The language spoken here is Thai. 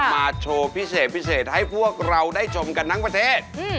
มาโชว์พิเศษพิเศษให้พวกเราได้ชมกันทั้งประเทศ